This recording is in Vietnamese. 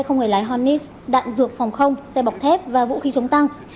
không người lái hornets đạn dược phòng không xe bọc thép và vũ khí chống tăng